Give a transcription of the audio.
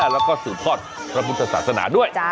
แล้วก็สูญพอร์ตพระมุทธศาสนาด้วย